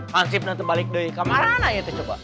hansip nanti balik dari kamarana ya coba